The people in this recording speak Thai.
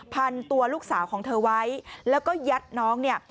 พันตัวลูกสาวของเธอไว้แล้วก็ยัดน้องเนี่ย